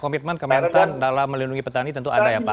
komitmen kementan dalam melindungi petani tentu ada ya pak